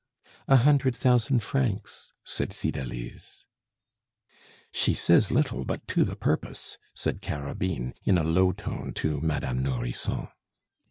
"A hundred thousand francs," said Cydalise. "She says little but to the purpose," said Carabine, in a low tone to Madame Nourrisson.